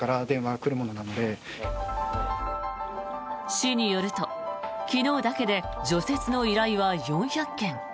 市によると、昨日だけで除雪の依頼は４００件。